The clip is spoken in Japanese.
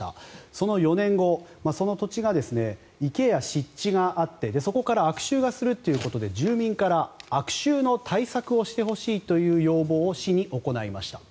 その４年後その土地が池や湿地があってそこから悪臭がするということで住民から悪臭の対策をしてほしいという要望を市に行いました。